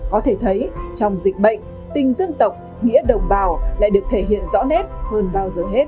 có thể thấy trong dịch bệnh tình dân tộc nghĩa đồng bào lại được thể hiện rõ nét hơn bao giờ hết